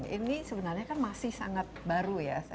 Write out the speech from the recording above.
ini sebenarnya kan masih sangat baru ya